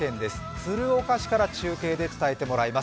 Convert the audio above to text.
鶴岡市から中継でつないでもらいます。